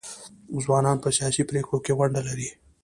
ځوانان په سیاسي پریکړو کې ونډه لري.